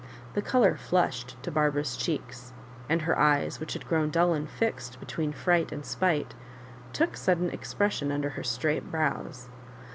The colour flushed to Barbara's cheeks, and her eyes, which had grown dull and fixed between fright and spite, took sudden expression under her straight brows.